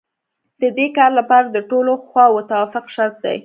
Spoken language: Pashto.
د دې کار لپاره د ټولو خواوو توافق شرط دی